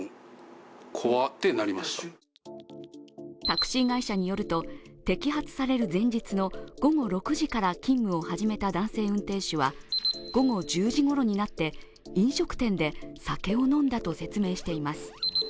タクシー会社によると、摘発される前日の午後６時から勤務を始めた男性運転手は午後１０時ごろになって飲食店で酒を飲んだと説明しています。